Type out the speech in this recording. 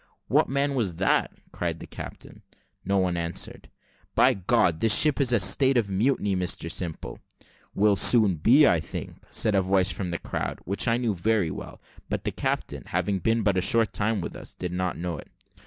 "What man was that?" cried the captain. No one answered. "By God! this ship is in a state of mutiny, Mr Simple." "Will soon be, I think," said a voice from the crowd, which I knew very well; but the captain, having been but a short time with us, did not know it.